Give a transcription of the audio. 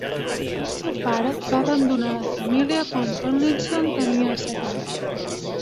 El seu pare va abandonar la família quan Tomlinson tenia set anys.